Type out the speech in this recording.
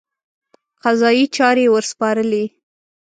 قضایي چارې ورسپارلې.